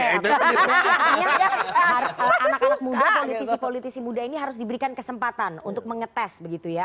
oke akhirnya anak anak muda politisi politisi muda ini harus diberikan kesempatan untuk mengetes begitu ya